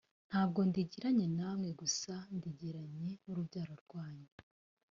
nta bwo ndigiranye namwe gusa ndigiranye n’urubyaro rwanyu,